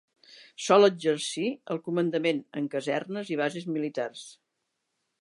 Sol exercir el comandament en casernes i bases militars.